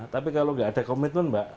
tapi kalau nggak ada komitmen mbak